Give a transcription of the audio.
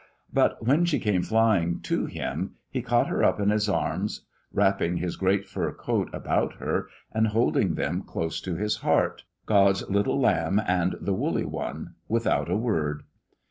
but when she came flying to him, he caught her up in his arms, wrapping his great fur coat about her and holding them close to his heart God's little lamb and the woolly one without a word.